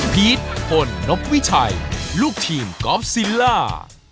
พีชพลนบวิชัยลูกทีมกอล์ฟซิล่า